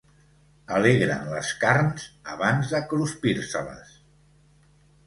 Alegren les carns abans de cruspir-se-les.